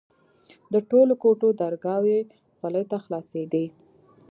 د ټولو کوټو درگاوې غولي ته خلاصېدې.